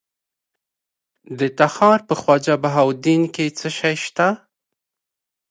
د تخار په خواجه بهاوالدین کې څه شی شته؟